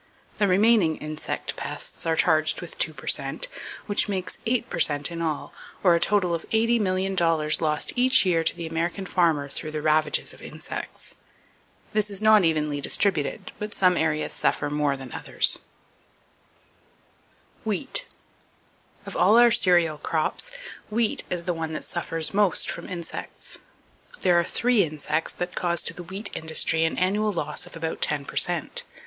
The remaining insect pests are charged with two per cent, which makes eight per cent in all, or a total of $80,000,000 lost each year to the American farmer through the ravages of insects. This is not evenly distributed, but some areas suffer more than others. THE CUT WORM, (Peridroma Sancia) Very Destructive to Crops Wheat. —Of all our cereal crops, wheat is the one that suffers most from [Page 210] insects. There are three insects that cause to the wheat industry an annual loss of about ten per cent.